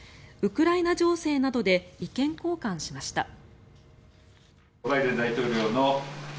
ウクライナ情勢などで意見交換しました。